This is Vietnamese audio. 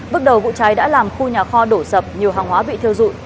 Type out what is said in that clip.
bước đầu vụ cháy đã làm khu nhà kho đổ sập nhiều hàng hóa bị theo dụng